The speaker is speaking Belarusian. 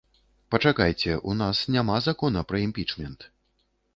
Пачакайце, у нас няма закона пра імпічмент.